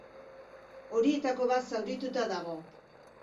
Horietako bat zaurituta dago.